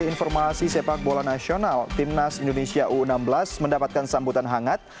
informasi sepak bola nasional timnas indonesia u enam belas mendapatkan sambutan hangat